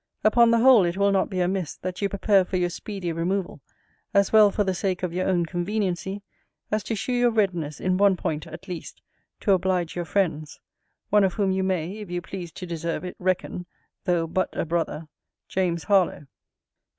Upon the whole, it will not be amiss, that you prepare for your speedy removal, as well for the sake of your own conveniency, as to shew your readiness, in one point, at least, to oblige your friends; one of whom you may, if you please to deserve it, reckon, though but a brother, JAMES HARLOWE.